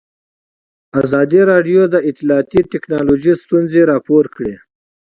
ازادي راډیو د اطلاعاتی تکنالوژي ستونزې راپور کړي.